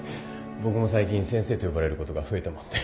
僕も最近先生と呼ばれることが増えたもんで。